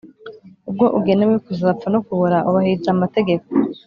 ubwo ugenewe kuzapfa no kubora, ubahiriza amategeko.